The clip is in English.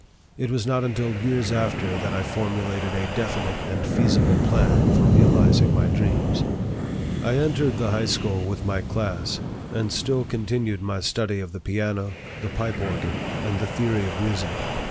It was not until years after that I formulated a definite and feasible plan for realizing my dreams. I entered the high school with my class, and still continued my study of the piano, the pipe organ, and the theory of music.